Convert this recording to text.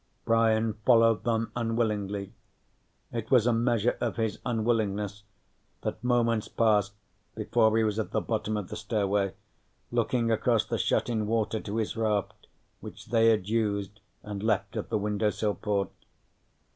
Brian followed them unwillingly. It was a measure of his unwillingness that moments passed before he was at the bottom of the stairway looking across the shut in water to his raft, which they had used and left at the window sill port.